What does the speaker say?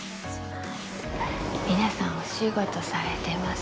皆さん、お仕事されてます。